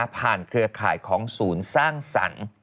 เครือข่ายของศูนย์สร้างสรรค์